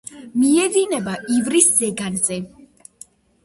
მიედინება ივრის ზეგანზე.